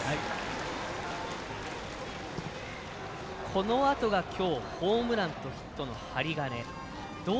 このあとが今日ホームランとヒットの針金。